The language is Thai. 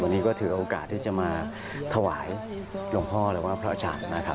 วันนี้ก็ถือโอกาสที่จะมาถวายหลวงพ่อหรือว่าพระอาจารย์นะครับ